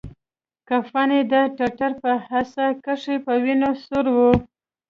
کفن يې د ټټر په حصه کښې په وينو سور و.